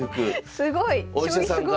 すごい！